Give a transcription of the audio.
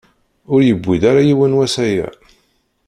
Ur yewwiḍ ara yiwen wass aya.